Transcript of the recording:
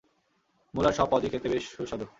মুলার সব পদই খেতে বেশ সুস্বাদু।